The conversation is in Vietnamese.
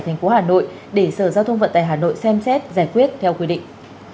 thành phố hà nội để sở giao thông vận tải hà nội xem xét giải quyết theo quy định